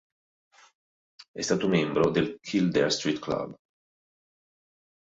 È stato membro del Kildare Street Club.